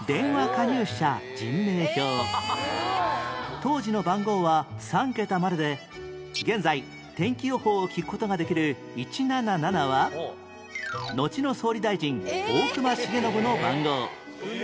当時の番号は３桁までで現在天気予報を聞く事ができる「一七七」はのちの総理大臣大隈重信の番号